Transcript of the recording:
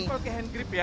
nempel ke handgrip ya